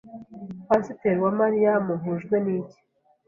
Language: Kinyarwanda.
Pasiteri Uwamariya muhujwe n’iki